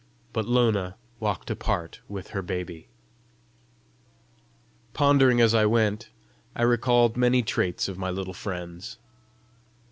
But Lona walked apart with her baby. Pondering as I went, I recalled many traits of my little friends.